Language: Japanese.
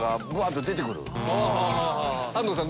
安藤さん